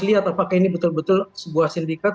lihat apakah ini betul betul sebuah sindikat